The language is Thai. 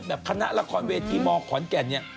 คณะละครเวทีมขอนแก่นเนี่ย